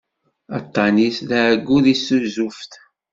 Aṭṭan-is d ɛeggu di tuzuft.